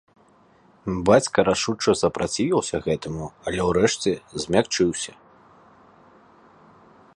Бацька рашуча запрацівіўся гэтаму, але, урэшце, змякчыўся.